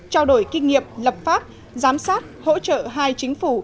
trao đổi kinh nghiệm lập pháp giám sát hỗ trợ hai chính phủ